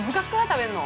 食べるの。